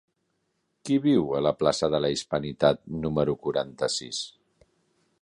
Qui viu a la plaça de la Hispanitat número quaranta-sis?